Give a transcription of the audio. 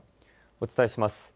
お伝えします。